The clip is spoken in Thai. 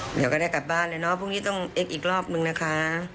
เดี๋ยวก็ได้กลับบ้านเลยเนาะพรุ่งนี้ต้องเอ็กซอีกรอบนึงนะคะ